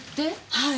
はい。